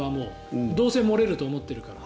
どうせ漏れると思ってるから。